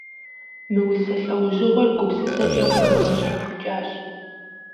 Мы усэ лӀэужьыгъуэр гупсысэкӏэ къыхэгъэщхьэхукӀащ.